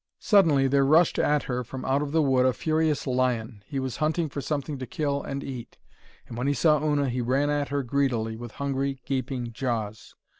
Suddenly there rushed at her from out of the wood a furious lion. He was hunting for something to kill and eat, and when he saw Una he ran at her greedily, with hungry gaping jaws.